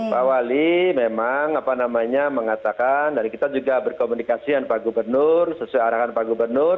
pak wali memang apa namanya mengatakan dan kita juga berkomunikasi dengan pak gubernur sesuai arahan pak gubernur